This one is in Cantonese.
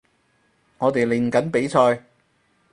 我哋練緊比賽